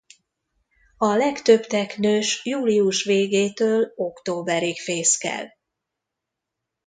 A legtöbb teknős július végétől októberig fészkel.